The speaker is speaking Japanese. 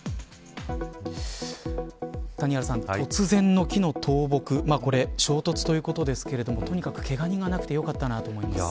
谷原さん、突然の木の倒木これ衝突ということですけれどもとにかく、けが人がなくてよかったなと思います。